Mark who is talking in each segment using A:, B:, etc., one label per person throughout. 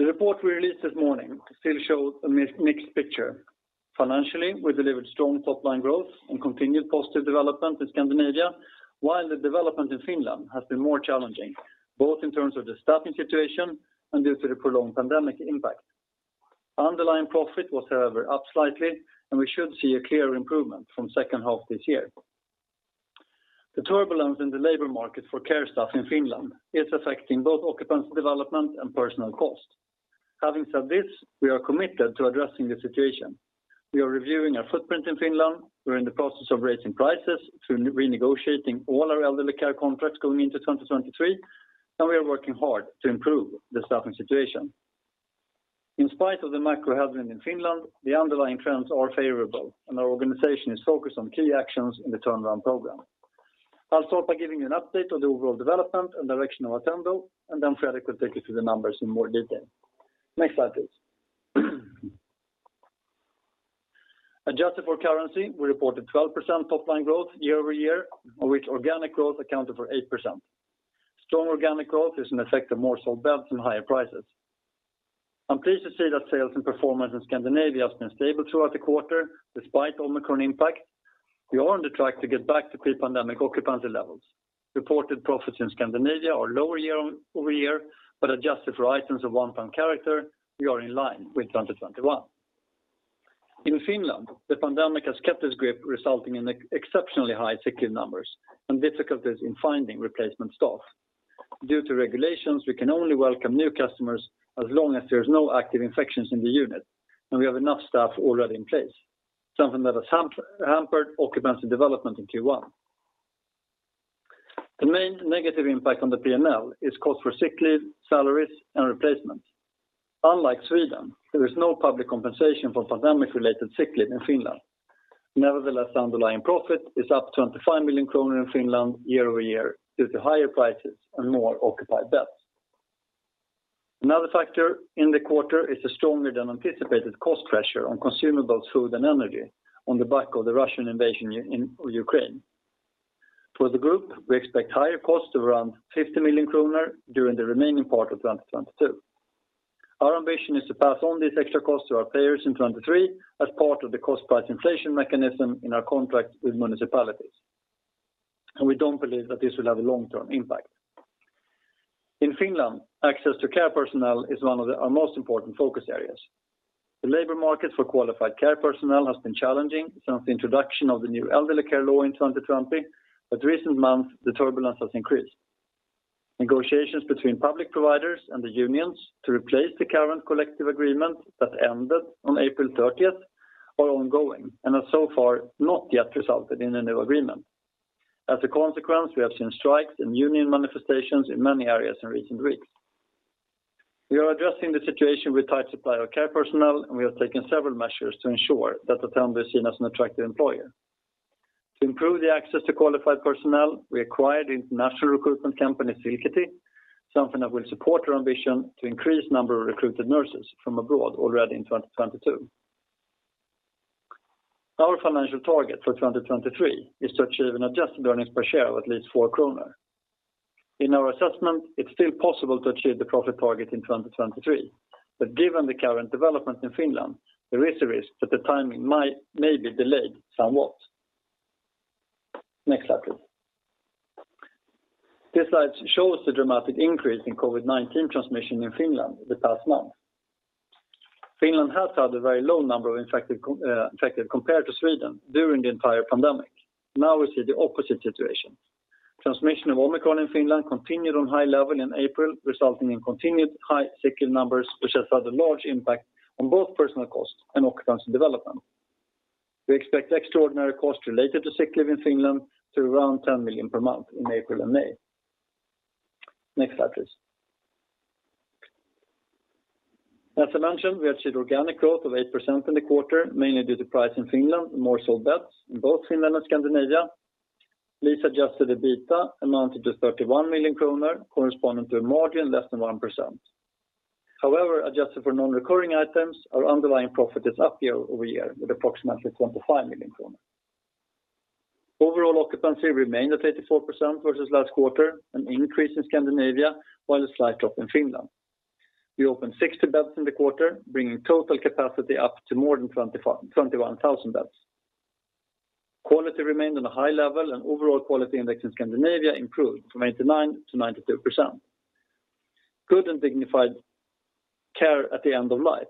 A: The report we released this morning still shows a mixed picture. Financially, we delivered strong top-line growth and continued positive development in Scandinavia, while the development in Finland has been more challenging, both in terms of the staffing situation and due to the prolonged pandemic impact. Underlying profit was, however, up slightly, and we should see a clear improvement from second half this year. The turbulence in the labor market for care staff in Finland is affecting both occupancy development and personnel cost. Having said this, we are committed to addressing the situation. We are reviewing our footprint in Finland. We're in the process of raising prices through renegotiating all our elderly care contracts going into 2023, and we are working hard to improve the staffing situation. In spite of the macro headwind in Finland, the underlying trends are favourable, and our organization is focused on key actions in the turnaround program. I'll start by giving you an update of the overall development and direction of Attendo, and then Fredrik will take you through the numbers in more detail. Next slide, please. Adjusted for currency, we reported 12% top line growth year-over-year, of which organic growth accounted for 8%. Strong organic growth is an effect of more sold beds and higher prices. I'm pleased to see that sales and performance in Scandinavia has been stable throughout the quarter despite Omicron impact. We are on the track to get back to pre-pandemic occupancy levels. Reported profits in Scandinavia are lower year-over-year, but adjusted for items of one-time character, we are in line with 2021. In Finland, the pandemic has kept its grip, resulting in exceptionally high sick leave numbers and difficulties in finding replacement staff. Due to regulations, we can only welcome new customers as long as there's no active infections in the unit, and we have enough staff already in place, something that has hampered occupancy development in Q1. The main negative impact on the P&L is cost for sick leave, salaries, and replacements. Unlike Sweden, there is no public compensation for pandemic-related sick leave in Finland. Nevertheless, underlying profit is up 25 million kronor in Finland year-over-year due to higher prices and more occupied beds. Another factor in the quarter is a stronger-than-anticipated cost pressure on consumable food and energy on the back of the Russian invasion of Ukraine. For the group, we expect higher costs of around 50 million kronor during the remaining part of 2022. Our ambition is to pass on these extra costs to our payers in 2023 as part of the cost price inflation mechanism in our contract with municipalities, and we don't believe that this will have a long-term impact. In Finland, access to care personnel is one of our most important focus areas. The labor market for qualified care personnel has been challenging since the introduction of the new Elderly Care Law in 2020, but in recent months, the turbulence has increased. Negotiations between public providers and the unions to replace the current collective agreement that ended on April 30 are ongoing and have so far not yet resulted in a new agreement. As a consequence, we have seen strikes and union manifestations in many areas in recent weeks. We are addressing the situation with tight supply of care personnel, and we have taken several measures to ensure that Attendo is seen as an attractive employer. To improve the access to qualified personnel, we acquired international recruitment company Silkkitie, something that will support our ambition to increase number of recruited nurses from abroad already in 2022. Our financial target for 2023 is to achieve an adjusted earnings per share of at least 4 kronor. In our assessment, it's still possible to achieve the profit target in 2023, but given the current development in Finland, there is a risk that the timing might, may be delayed somewhat. Next slide, please. This slide shows the dramatic increase in COVID-19 transmission in Finland the past month. Finland has had a very low number of infected compared to Sweden during the entire pandemic. Now we see the opposite situation. Transmission of Omicron in Finland continued on high level in April, resulting in continued high sick leave numbers, which has had a large impact on both personal costs and occupancy development. We expect extraordinary costs related to sick leave in Finland to around 10 million per month in April and May. Next slide, please. As I mentioned, we have achieved organic growth of 8% in the quarter, mainly due to price in Finland and more sold beds in both Finland and Scandinavia. Lease-adjusted EBITA amounted to 31 million kronor, corresponding to a margin less than 1%. However, adjusted for non-recurring items, our underlying profit is up year-over-year with approximately 25 million kronor. Overall occupancy remained at 84% versus last quarter, an increase in Scandinavia, while a slight drop in Finland. We opened 60 beds in the quarter, bringing total capacity up to more than 21,000 beds. Quality remained on a high level, and overall quality index in Scandinavia improved from 89% to 92%. Good and dignified care at the end of life,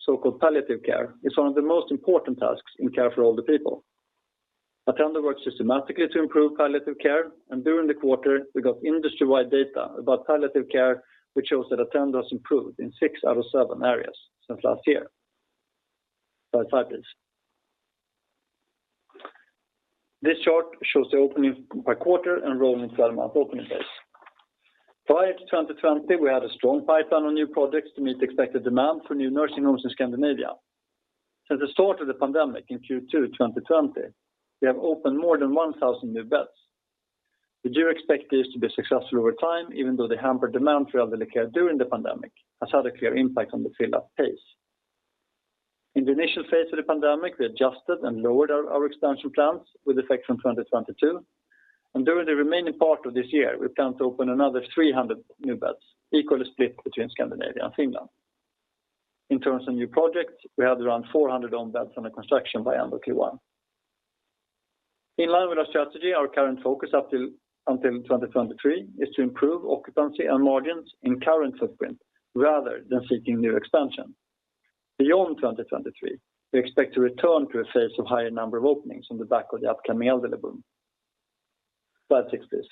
A: so-called palliative care, is one of the most important tasks in care for older people. Attendo works systematically to improve palliative care, and during the quarter, we got industry-wide data about palliative care, which shows that Attendo has improved in six out of seven areas since last year. Next slide, please. This chart shows the opening by quarter and rolling 12-month opening pace. Prior to 2020, we had a strong pipeline of new projects to meet expected demand for new nursing homes in Scandinavia. Since the start of the pandemic in Q2 2020, we have opened more than 1,000 new beds. We do expect this to be successful over time, even though the hampered demand for elderly care during the pandemic has had a clear impact on the fill-up pace. In the initial phase of the pandemic, we adjusted and lowered our expansion plans with effect from 2022. During the remaining part of this year, we plan to open another 300 new beds, equally split between Scandinavia and Finland. In terms of new projects, we had around 400 own beds under construction by end of Q1. In line with our strategy, our current focus up till until 2023 is to improve occupancy and margins in current footprint rather than seeking new expansion. Beyond 2023, we expect to return to a phase of higher number of openings on the back of the upcoming elderly boom. Slide six, please.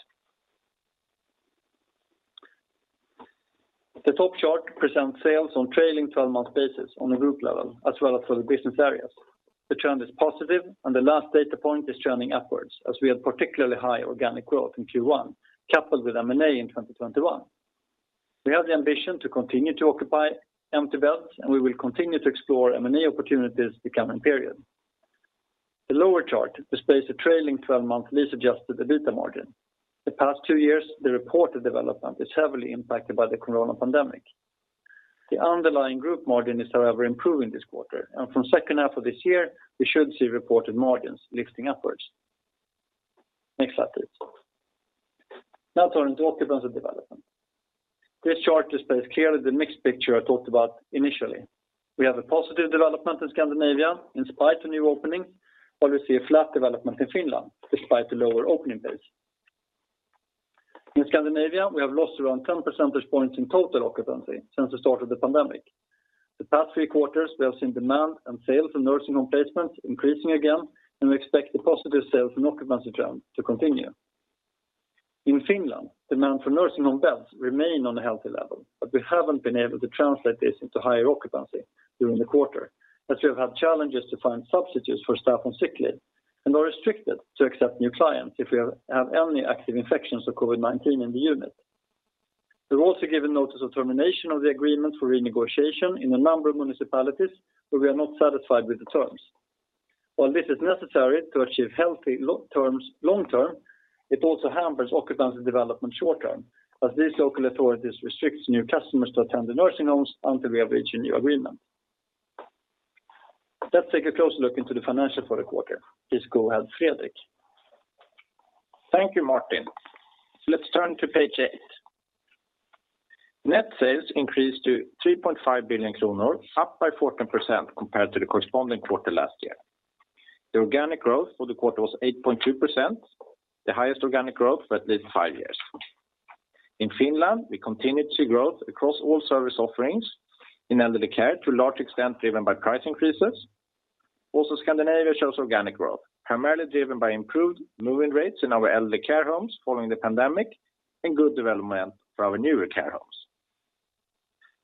A: The top chart presents sales on a trailing 12-month basis on a group level, as well as for the business areas. The trend is positive, and the last data point is turning upwards as we had particularly high organic growth in Q1, coupled with M&A in 2021. We have the ambition to continue to occupy empty beds, and we will continue to explore M&A opportunities the coming period. The lower chart displays a trailing 12-month lease-adjusted EBITA margin. The past two years, the reported development is heavily impacted by the corona pandemic. The underlying group margin is, however, improving this quarter, and from second half of this year, we should see reported margins lifting upwards. Next slide, please. Now turning to occupancy development. This chart displays clearly the mixed picture I talked about initially. We have a positive development in Scandinavia in spite of new openings. While we see a flat development in Finland despite the lower opening pace. In Scandinavia, we have lost around 10 percentage points in total occupancy since the start of the pandemic. The past three quarters, we have seen demand and sales for nursing home placements increasing again, and we expect the positive sales and occupancy trend to continue. In Finland, demand for nursing home beds remains on a healthy level, but we haven't been able to translate this into higher occupancy during the quarter, as we have had challenges to find substitutes for staff on sick leave, and are restricted to accept new clients if we have any active infections of COVID-19 in the unit. We've also given notice of termination of the agreement for renegotiation in a number of municipalities where we are not satisfied with the terms. While this is necessary to achieve healthy long term, it also hampers occupancy development short term, as these local authorities restrict new customers to attend the nursing homes until we have reached a new agreement. Let's take a closer look into the financials for the quarter. Please go ahead, Fredrik.
B: Thank you, Martin. Let's turn to page eight. Net sales increased to 3.5 billion kronor, up 14% compared to the corresponding quarter last year. The organic growth for the quarter was 8.2%, the highest organic growth for at least five years. In Finland, we continue to see growth across all service offerings in elderly care, to a large extent driven by price increases. Also, Scandinavia shows organic growth, primarily driven by improved moving rates in our elderly care homes following the pandemic and good development for our newer care homes.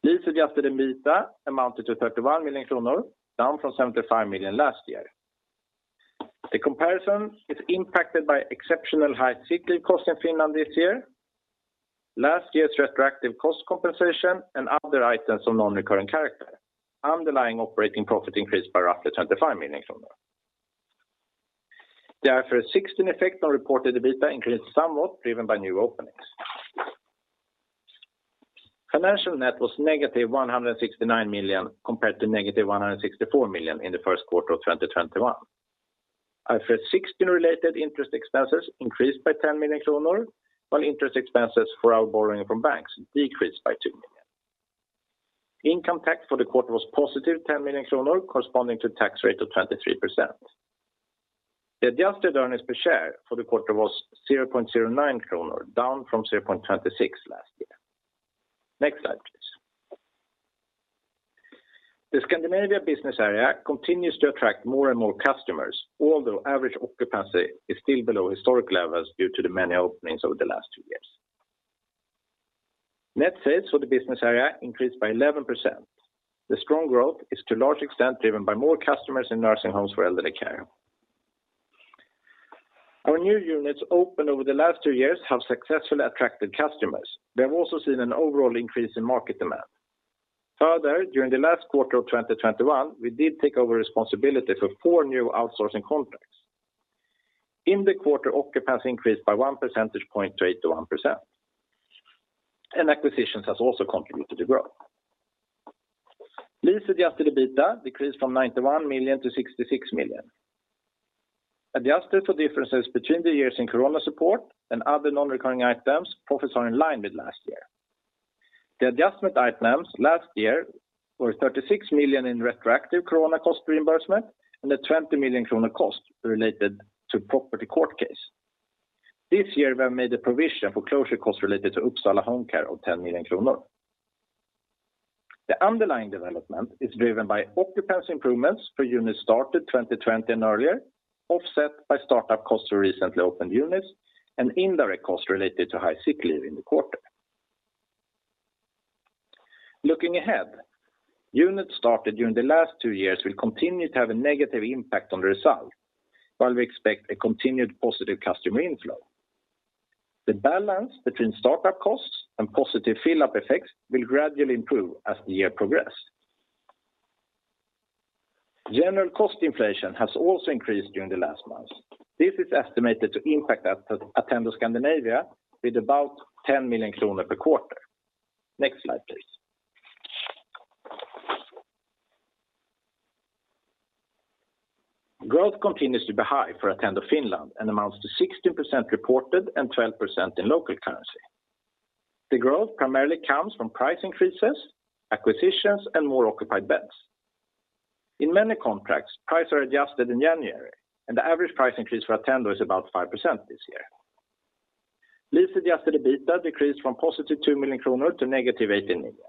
B: Lease-adjusted EBITA amounted to 31 million kronor, down from 75 million last year. The comparison is impacted by exceptionally high sick leave costs in Finland this year. Last year's retroactive cost compensation and other items of non-recurring character. Underlying operating profit increased by roughly 25 million kronor. The IFRS 16 effect on reported EBITDA increased somewhat, driven by new openings. Financial net was -169 million, compared to -164 million in the first quarter of 2021. IFRS 16-related interest expenses increased by 10 million kronor, while interest expenses for our borrowing from banks decreased by 2 million. Income tax for the quarter was +10 million kronor, corresponding to a tax rate of 23%. The adjusted earnings per share for the quarter was 0.09 kronor, down from 0.26 last year. Next slide, please. The Scandinavia business area continues to attract more and more customers, although average occupancy is still below historic levels due to the many openings over the last two years. Net sales for the business area increased by 11%. The strong growth is to a large extent driven by more customers in nursing homes for elderly care. Our new units opened over the last two years have successfully attracted customers. They have also seen an overall increase in market demand. Further, during the last quarter of 2021, we did take over responsibility for four new outsourcing contracts. In the quarter, occupancy increased by 1 percentage point to 81%, and acquisitions has also contributed to growth. Lease-adjusted EBITDA decreased from 91 million to 66 million. Adjusted for differences between the years in COVID-19 support and other non-recurring items, profits are in line with last year. The adjustment items last year were 36 million in retroactive COVID-19 cost reimbursement and a 20 million krona cost related to property court case. This year, we have made a provision for closure costs related to Uppsala Home Care of 10 million kronor. The underlying development is driven by occupancy improvements for units started 2020 and earlier, offset by startup costs for recently opened units and indirect costs related to high sick leave in the quarter. Looking ahead, units started during the last two years will continue to have a negative impact on the result, while we expect a continued positive customer inflow. The balance between startup costs and positive fill-up effects will gradually improve as the year progresses. General cost inflation has also increased during the last months. This is estimated to impact Attendo Scandinavia with about 10 million kronor per quarter. Next slide, please. Growth continues to be high for Attendo Finland and amounts to 16% reported and 12% in local currency. The growth primarily comes from price increases, acquisitions, and more occupied beds. In many contracts, prices are adjusted in January, and the average price increase for Attendo is about 5% this year. Lease-adjusted EBITA decreased from +2 million kronor to -18 million.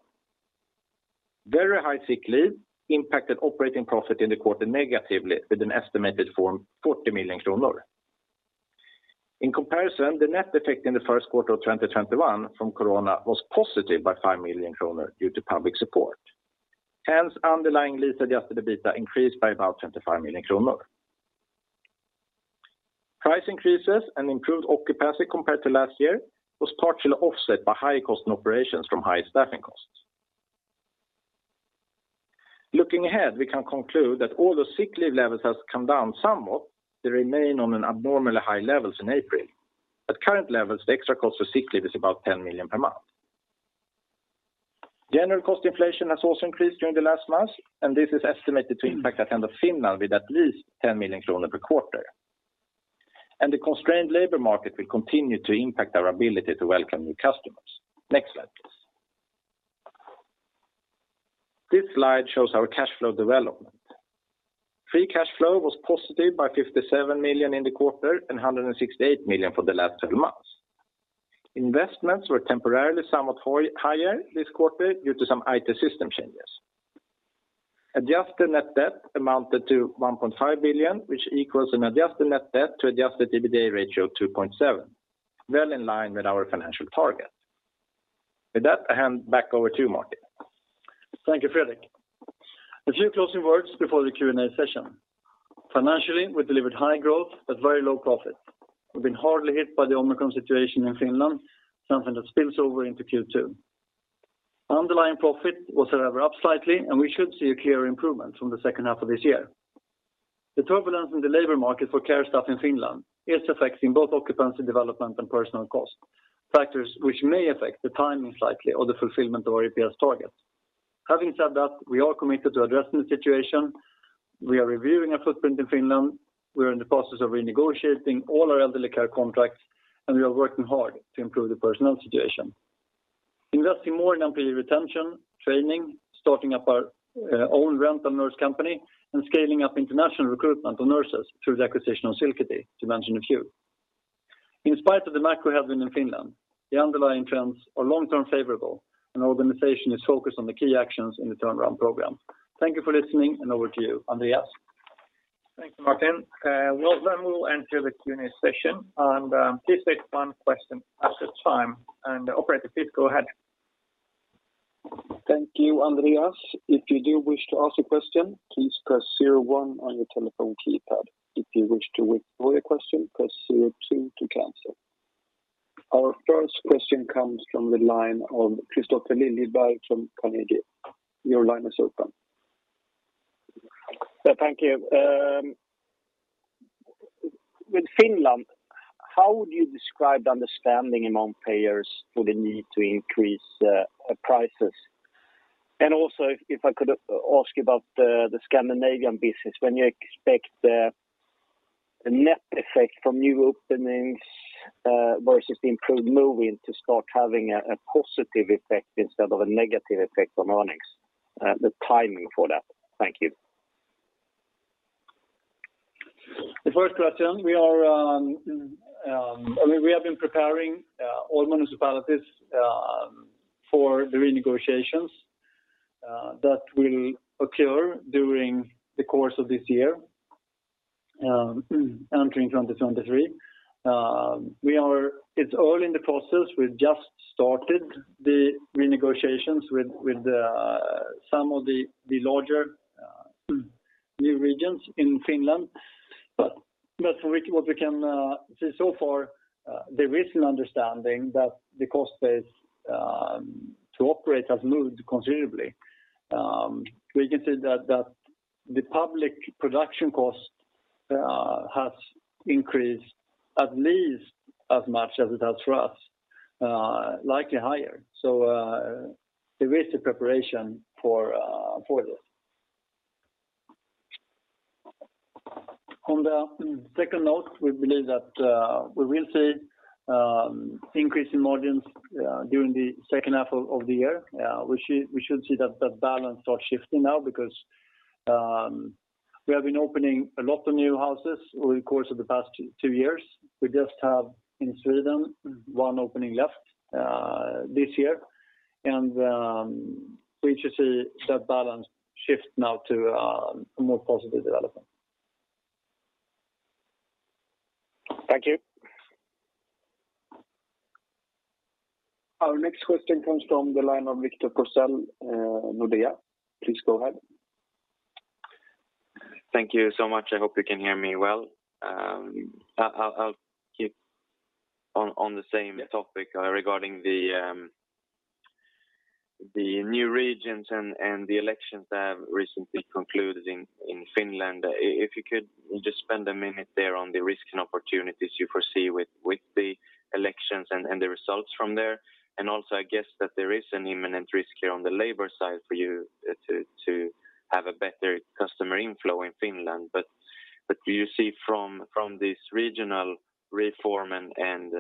B: Very high sick leave impacted operating profit in the quarter negatively with an estimated of 40 million kroner. In comparison, the net effect in the first quarter of 2021 from COVID-19 was positive by 5 million kronor due to public support. Hence, underlying lease-adjusted EBITA increased by about 25 million kronor. Price increases and improved occupancy compared to last year was partially offset by high cost and operations from high staffing costs. Looking ahead, we can conclude that all the sick leave levels has come down somewhat. They remain on an abnormally high levels in April. At current levels, the extra cost for sick leave is about 10 million per month. General cost inflation has also increased during the last month, and this is estimated to impact Attendo Finland with at least 10 million kronor per quarter. The constrained labor market will continue to impact our ability to welcome new customers. Next slide, please. This slide shows our cash flow development. Free cash flow was positive by 57 million in the quarter and 168 million for the last 12 months. Investments were temporarily somewhat higher this quarter due to some IT system changes. Adjusted net debt amounted to 1.5 billion, which equals an adjusted net debt to adjusted EBITDA ratio of 2.7, well in line with our financial target. With that, I hand back over to Martin.
A: Thank you, Fredrik. A few closing words before the Q&A session. Financially, we delivered high growth at very low profit. We've been hard hit by the Omicron situation in Finland, something that spills over into Q2. Underlying profit was, however, up slightly, and we should see a clear improvement from the second half of this year. The turbulence in the labor market for care staff in Finland is affecting both occupancy development and personnel cost, factors which may affect the timing slightly of the fulfillment of our EPS target. Having said that, we are committed to addressing the situation. We are reviewing our footprint in Finland. We are in the process of renegotiating all our elderly care contracts, and we are working hard to improve the personnel situation. Investing more in employee retention, training, starting up our own rental nurse company, and scaling up international recruitment of nurses through the acquisition of Silkkitie, to mention a few. In spite of the macro headwind in Finland, the underlying trends are long-term favourable, and the organization is focused on the key actions in the turnaround program. Thank you for listening, and over to you, Andreas.
C: Thank you, Martin. We'll enter the Q&A session. Please state one question at a time. Operator, please go ahead.
D: Thank you, Andreas. If you do wish to ask a question, please press zero one on your telephone keypad. If you wish to withdraw your question, press zero two to cancel. Our first question comes from the line of Kristofer Liljeberg from Carnegie. Your line is open.
E: Thank you. With Finland, how would you describe the understanding among payers for the need to increase prices? Also, if I could ask you about the Scandinavian business. When you expect the net effect from new openings versus the improved move-in to start having a positive effect instead of a negative effect on earnings, the timing for that? Thank you.
A: The first question, I mean, we have been preparing all municipalities for the renegotiations that will occur during the course of this year, entering 2023. It's early in the process. We've just started the renegotiations with some of the larger new regions in Finland. What we can say so far, there is an understanding that the cost base to operate has moved considerably. We can say that the public production cost has increased at least as much as it has for us, likely higher. There is the preparation for this. On the second note, we believe that we will see increase in margins during the second half of the year. We should see that balance start shifting now because we have been opening a lot of new houses over the course of the past two years. We just have, in Sweden, one opening left this year. We should see that balance shift now to a more positive development.
E: Thank you.
D: Our next question comes from the line of Victor Forssell, Nordea. Please go ahead.
F: Thank you so much. I hope you can hear me well. I'll keep on the same topic regarding the new regions and the elections that have recently concluded in Finland, if you could just spend a minute there on the risks and opportunities you foresee with the elections and the results from there. Also, I guess that there is an imminent risk here on the labor side for you to have a better customer inflow in Finland. Do you see from this regional reform and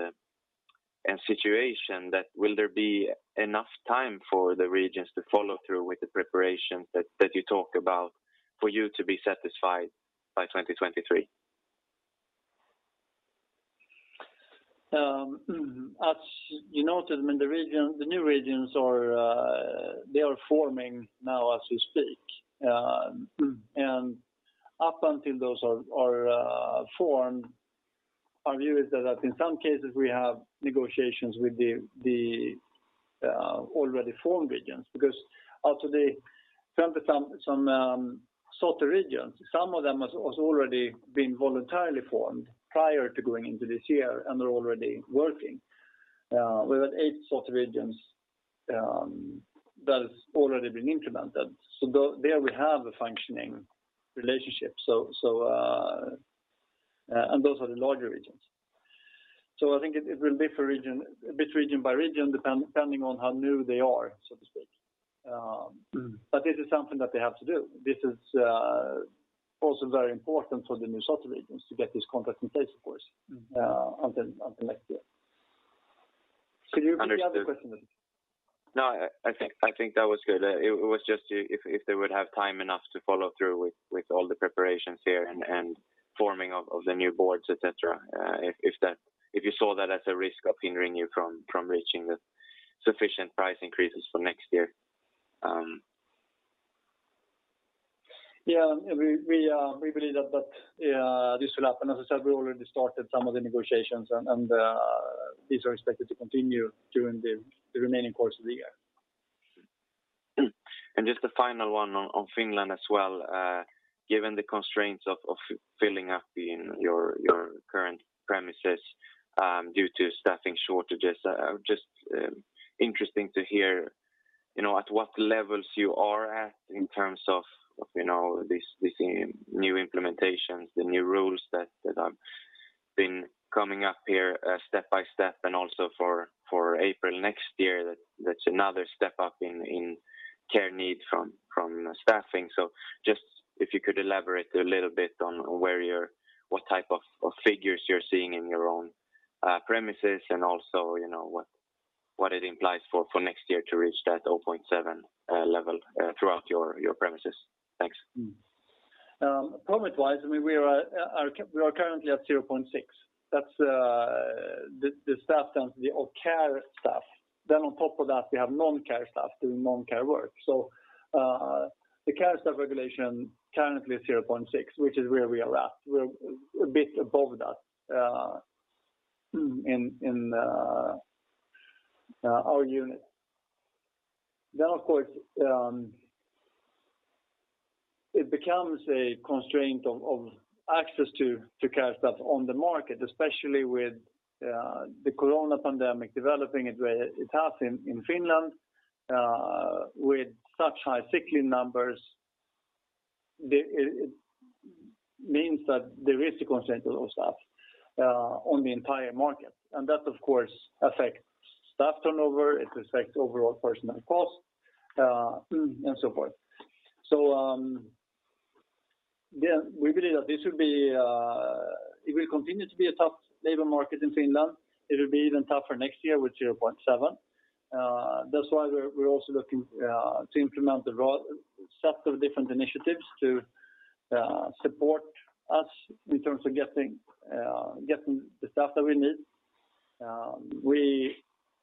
F: situation that will there be enough time for the regions to follow through with the preparations that you talk about for you to be satisfied by 2023?
A: As you noted, I mean, the new regions are forming now as we speak. Up until those are formed, our view is that in some cases, we have negotiations with the already formed regions. Because also they turn to some SOTE regions. Some of them has already been voluntarily formed prior to going into this year, and they're already working. We have eight SOTE regions that has already been implemented. There, we have a functioning relationship. And those are the larger regions. I think it will differ a bit region by region, depending on how new they are, so to speak. This is something that they have to do. This is also very important for the new SOTE regions to get this contract in place, of course, until next year. Could you repeat the other question, please?
F: Understood. No, I think that was good. It was just if they would have time enough to follow through with all the preparations here and forming of the new boards, et cetera, if you saw that as a risk of hindering you from reaching the sufficient price increases for next year.
A: Yeah. We believe that this will happen. As I said, we already started some of the negotiations, and these are expected to continue during the remaining course of the year.
F: Just a final one on Finland as well. Given the constraints of filling up in your current premises due to staffing shortages, just interesting to hear, you know, at what levels you are at in terms of this new implementations, the new rules that have been coming up here step by step and also for April next year that's another step up in care need from staffing. Just if you could elaborate a little bit on where you're what type of figures you're seeing in your own premises and also, you know, what it implies for next year to reach that 0.7 level throughout your premises. Thanks.
A: Permit-wise, we are currently at 0.6. That's the staff counts the all care staff. Then, on top of that, we have non-care staff doing non-care work. The care staff regulation currently is 0.6, which is where we are at. We're a bit above that in our unit. Of course, it becomes a constraint of access to care staff on the market, especially with the COVID-19 pandemic developing the way it has in Finland, with such high sick leave numbers. It means that there is a constraint of those staff on the entire market. That, of course, affects staff turnover, it affects overall personnel costs, and so forth. We believe that this will continue to be a tough labor market in Finland. It'll be even tougher next year with 0.7%. That's why we're also looking to implement a broad set of different initiatives to support us in terms of getting the staff that we need. We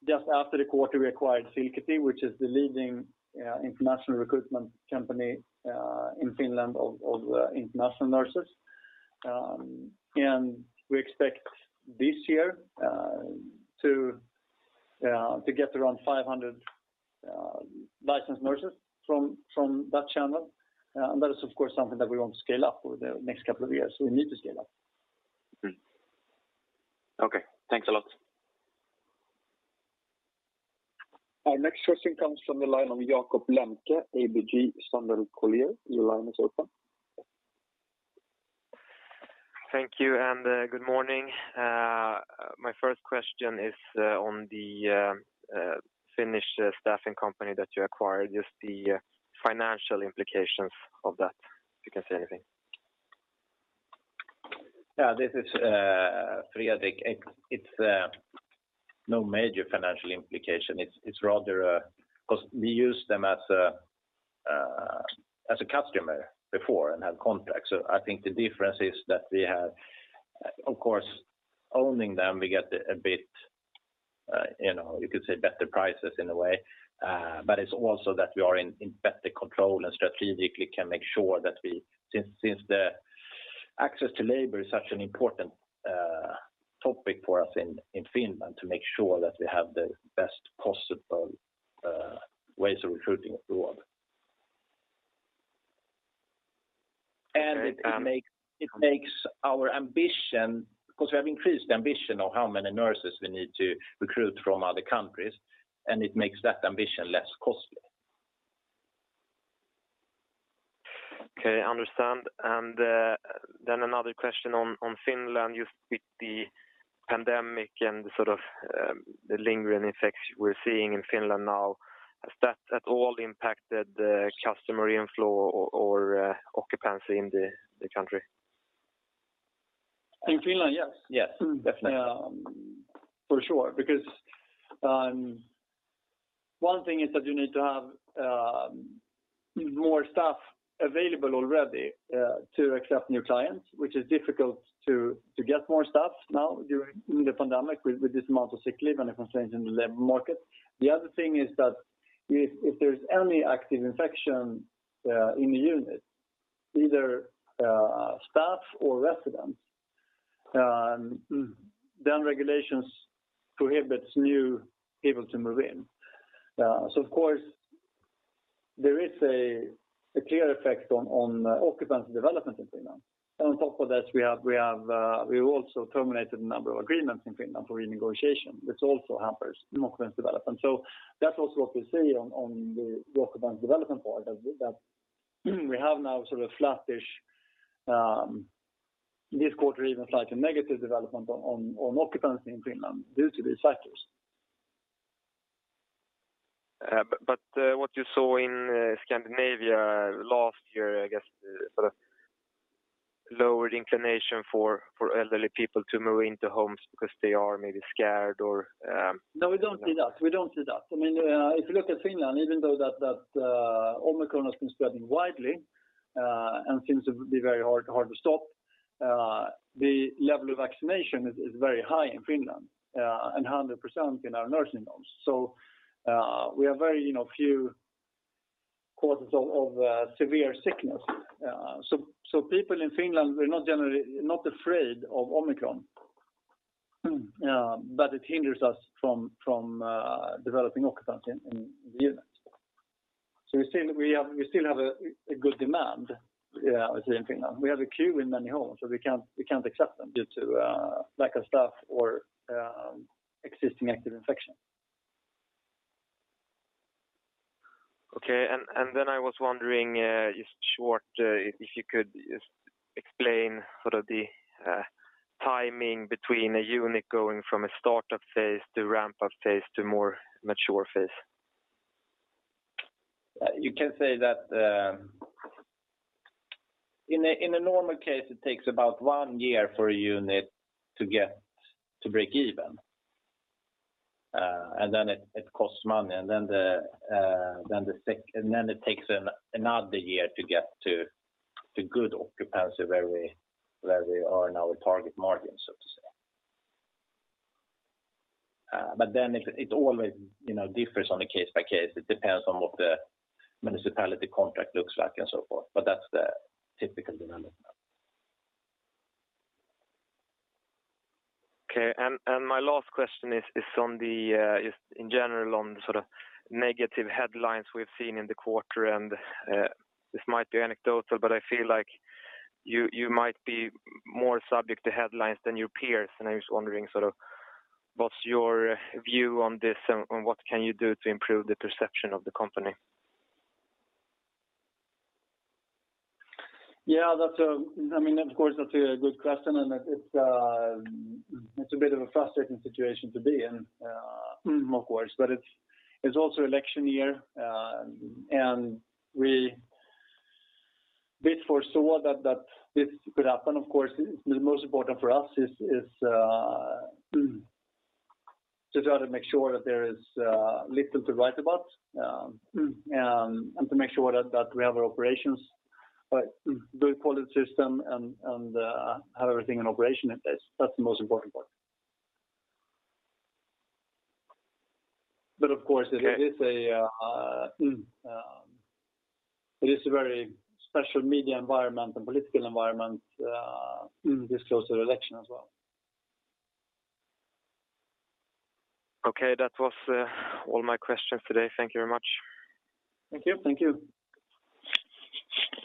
A: just after the quarter we acquired Silkkitie, which is the leading international recruitment company in Finland for international nurses. We expect this year to get around 500 licensed nurses from that channel. That is, of course, something that we want to scale up over the next couple of years. We need to scale up.
F: Okay. Thanks a lot.
D: Our next question comes from the line of Jakob Lembke, ABG Sundal Collier. Your line is open.
G: Thank you and good morning. My first question is on the Finnish staffing company that you acquired, just the financial implications of that, if you can say anything.
B: Yeah. This is Fredrik. It's no major financial implication. It's rather 'cause we used them as a customer before and had contacts. I think the difference is that we have, of course, owning them, we get a bit, you know, you could say better prices in a way. It's also that we are in better control and strategically can make sure that we, since the access to labor is such an important topic for us in Finland, to make sure that we have the best possible ways of recruiting abroad. It makes our ambition because we have increased ambition of how many nurses we need to recruit from other countries, and it makes that ambition less costly.
G: Okay, I understand. Another question on Finland. With the pandemic and the sort of lingering effects we're seeing in Finland now, has that at all impacted the customer inflow or occupancy in the country?
A: In Finland, yes.
B: Definitely.
A: For sure. One thing is that you need to have more staff available already to accept new clients, which is difficult to get more staff now during the pandemic, with this amount of sick leave and the constraints in the labor market. The other thing is that if there's any active infection in the unit, either staff or residents, then regulations prohibits new people to move in. Of course, there is a clear effect on occupancy development in Finland. On top of that, we also terminated a number of agreements in Finland for renegotiation, which also hampers occupancy development. That's also what we see on the occupancy development part of it, that we have now sort of flattish, this quarter, even slightly negative development on occupancy in Finland due to these factors.
G: What you saw in Scandinavia last year, I guess, sort of lowered inclination for elderly people to move into homes because they are maybe scared or.
A: No, we don't see that. I mean, if you look at Finland, even though Omicron has been spreading widely and seems to be very hard to stop, the level of vaccination is very high in Finland, and 100% in our nursing homes. We have very, you know, few causes of severe sickness. People in Finland were not generally afraid of Omicron, but it hinders us from developing occupancy in the units. We still have a good demand, say in Finland. We have a queue in many homes, so we can't accept them due to a lack of staff or existing active infection.
G: Okay. I was wondering, just short, if you could just explain sort of the timing between a unit going from a startup phase to ramp-up phase to more mature phase.
A: You can say that in a normal case, it takes about one year for a unit to get to break even. Then it costs money. It takes another year to get to good occupancy where we are in our target margin, so to say. It always, you know, differs on a case-by-case. It depends on what the municipality contract looks like and so forth. That's the typical development.
G: Okay. My last question is in general on the sort of negative headlines we've seen in the quarter. This might be anecdotal, but I feel like you might be more subject to headlines than your peers. I was wondering sort of what's your view on this and what can you do to improve the perception of the company?
A: Yeah, I mean, of course, that's a good question. It's a bit of a frustrating situation to be in, of course. It's also election year, and we did foresee that this could happen. Of course, the most important for us is to try to make sure that there is little to write about, and to make sure that we have our operations, a good quality system and have everything in operation in place. That's the most important part. Of course.
G: Okay
A: It is a very special media environment and political environment, this closer to election as well.
G: Okay. That was all my questions today. Thank you very much.
A: Thank you.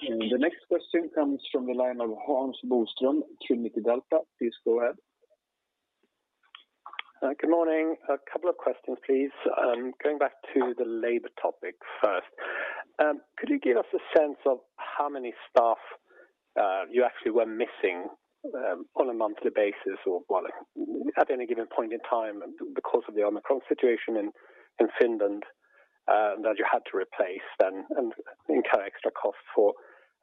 D: The next question comes from the line of Hans Boström, Trinity Delta. Please go ahead.
H: Good morning. A couple of questions, please. Going back to the labor topic first. Could you give us a sense of how many staff you actually were missing on a monthly basis or at any given point in time because of the Omicron situation in Finland that you had to replace and incur extra costs for?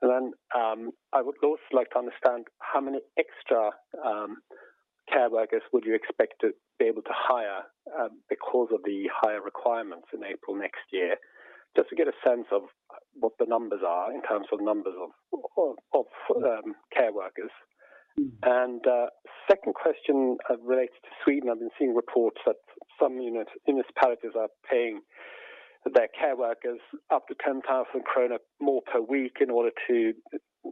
H: Then, I would also like to understand how many extra care workers would you expect to be able to hire because of the higher requirements in April next year, just to get a sense of what the numbers are in terms of numbers of care workers. Second question relates to Sweden. I've been seeing reports that some municipalities are paying their care workers up to 10,000 krona more per week in order to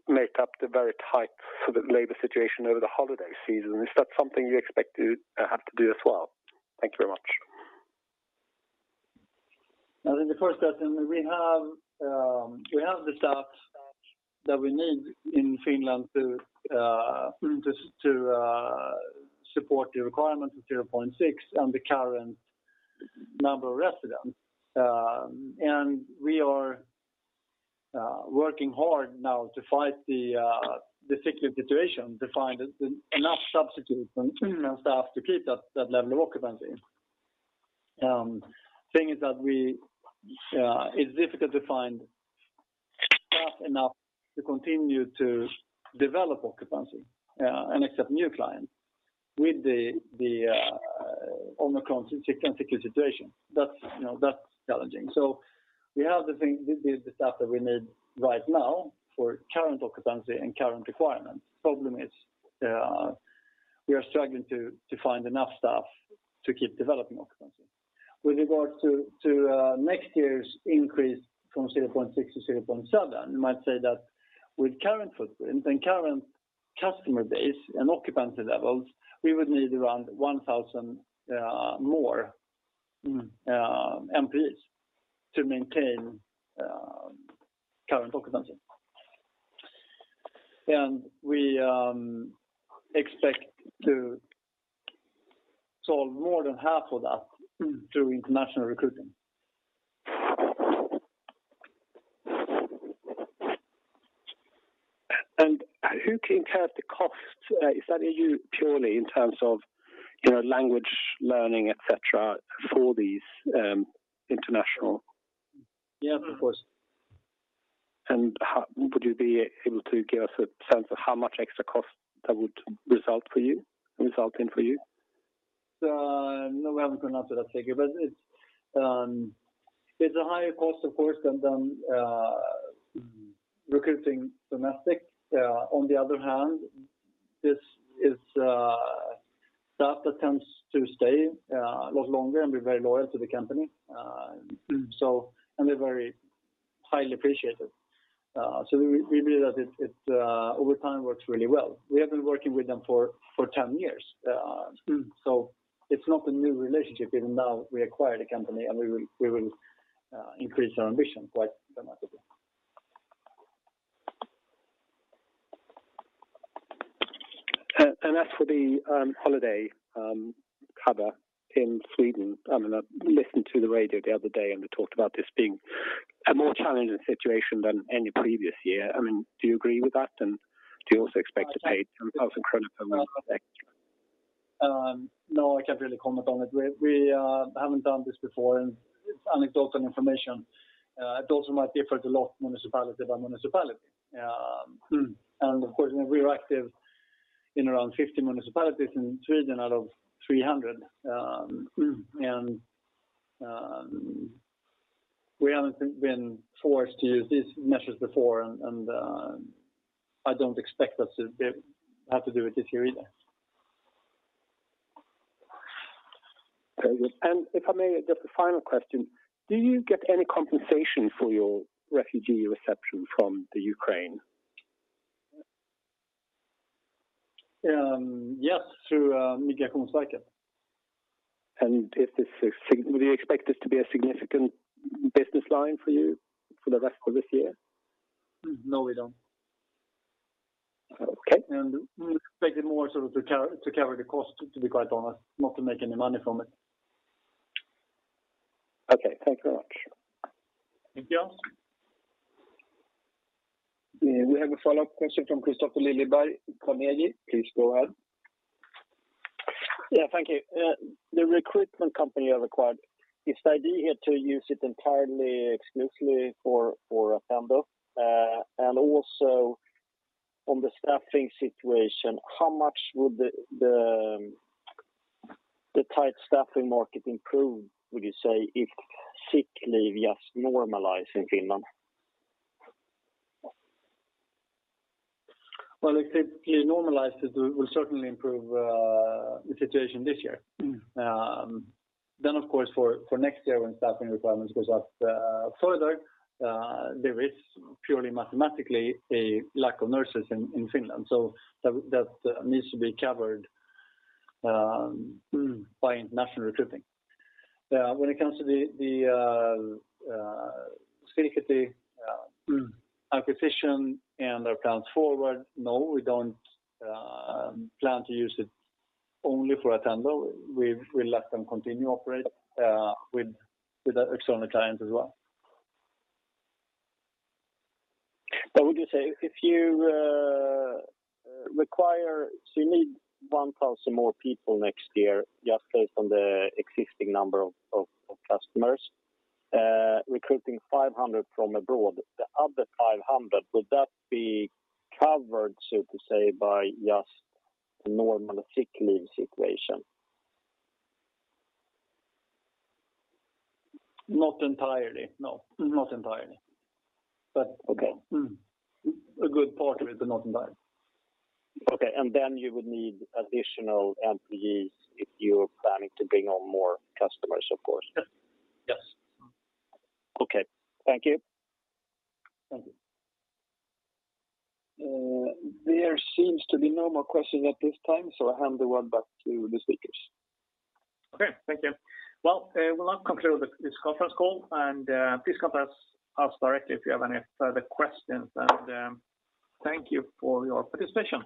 H: make up the very tight sort of labor situation over the holiday season. Is that something you expect to have to do as well? Thank you very much.
A: I think the first question is, we have the staff that we need in Finland to support the requirement of 0.6 and the current number of residents. We are working hard now to fight the sick leave situation to find enough substitutes and staff to keep that level of occupancy. Thing is that we, it's difficult to find staff enough to continue to develop occupancy and accept new clients with the Omicron sick and sick leave situation. That's, you know, that's challenging. We have the staff that we need right now for current occupancy and current requirements. Problem is, we are struggling to find enough staff to keep developing occupancy. With regard to next year's increase from 0.6 to 0.7, you might say that with current footprint and current customer base and occupancy levels, we would need around 1,000 more FTEs to maintain current occupancy. We expect to solve more than half of that through international recruiting.
H: Who can incur the cost? Is that you purely in terms of, you know, language learning, et cetera, for these international?
A: Yeah, of course.
H: Would you be able to give us a sense of how much extra cost that would result in for you?
A: No, we haven't gone out to that figure, but it's a higher cost, of course, than recruiting domestic. On the other hand, this is staff that tends to stay a lot longer and be very loyal to the company, so and they're very highly appreciated. We believe that it over time works really well. We have been working with them for 10 years, so it's not a new relationship even though we acquired a company and we will increase our ambition quite dramatically.
H: As for the holiday cover in Sweden, I mean, I listened to the radio the other day, and we talked about this being a more challenging situation than any previous year. I mean, do you agree with that? Do you also expect to pay some thousand kroner more per extra?
A: No, I can't really comment on it. We haven't done this before, and it's anecdotal information. It also might differ a lot municipality by municipality. Of course, we're active in around 50 municipalities in Sweden out of 300. We haven't been forced to use these measures before, and I don't expect us to have to do it this year either.
H: Very good. If I may, just a final question. Do you get any compensation for your refugee reception from the Ukraine?
A: Yes, through Migrationsverket.
H: Would you expect this to be a significant business line for you for the rest of this year?
A: No, we don't.
H: Okay.
A: We expect it more so to cover the cost, to be quite honest, not to make any money from it.
H: Okay, thank you very much.
A: Thank you.
D: We have a follow-up question from Kristofer Liljeberg, Carnegie. Please go ahead.
E: Yeah, thank you. The recruitment company you acquired is the idea to use it entirely exclusively for Attendo? Also, on the staffing situation, how much would the tight staffing market improve, would you say, if sick leave just normalize in Finland?
A: Well, if sick leave normalized, it will certainly improve the situation this year. Then, of course, for next year when staffing requirements goes up further, there is purely mathematically a lack of nurses in Finland. That needs to be covered by international recruiting. When it comes to the Silkkitie acquisition and our plans forward, no, we don't plan to use it only for Attendo. We let them continue operate with external clients as well.
E: Would you say if you require so you need 1,000 more people next year, just based on the existing number of customers? Recruiting 500 from abroad, the other 500, would that be covered, so to say, by just the normal sick leave situation?
A: Not entirely, no. Not entirely. Okay. A good part of it, but not entirely.
E: Okay. You would need additional employees if you're planning to bring on more customers, of course?
A: Yes.
E: Okay. Thank you.
A: Thank you.
D: There seems to be no more questions at this time, so I hand the word back to the speakers.
A: Okay, thank you. Well, we'll now conclude this conference call, and please contact us directly if you have any further questions. Thank you for your participation.